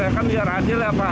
asalkan memang tadi yang melewat